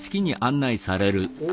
お。